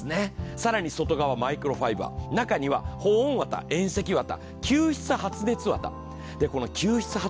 更に外側マイクロファイバー、内側には保温綿、吸湿発熱綿。